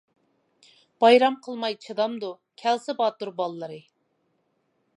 بايرام قىلماي چىدامدۇ، كەلسە باتۇر باللىرى.